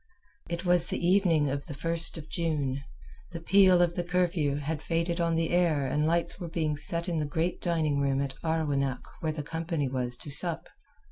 It was the evening of the first of June; the peal of the curfew had faded on the air and lights were being set in the great dining room at Arwenack where the company was to sup.